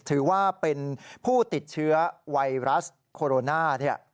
ถือว่าเป็นผู้ติดเชื้อไวรัสโคโรนา